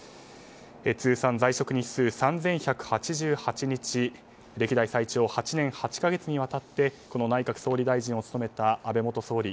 通算在職日数３１８８日歴代最長８年８か月にわたってこの内閣総理大臣を務めた安倍元総理。